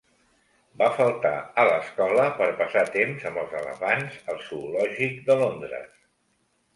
Va faltar a l'escola per passar temps amb els elefants al zoològic de Londres.